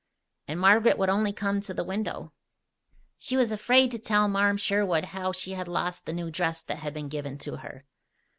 And Margaret would only come to the window. She was afraid to tell "Marm Sherwood" how she had lost the new dress that had been given to her.